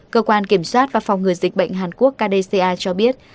cơ quan kiểm soát và phòng ngừa dịch bệnh hàn quốc kdca cho biết